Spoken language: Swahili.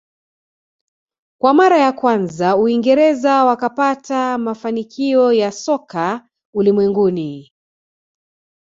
Kwa mara ya kwanza uingereza wakapata mafanikio ya soka ulimwenguni